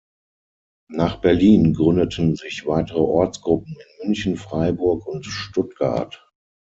Nach Berlin gründeten sich weitere Ortsgruppen in München, Freiburg und Stuttgart.